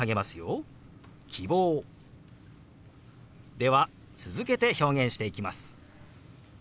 では続けて表現していきます。